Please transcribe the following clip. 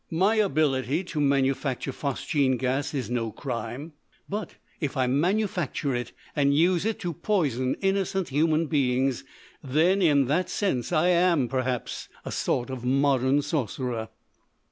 My ability to manufacture phosgene gas is no crime. But if I manufacture it and use it to poison innocent human beings, then, in that sense, I am, perhaps, a sort of modern sorcerer."